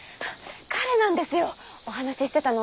彼なんですよお話ししてたの。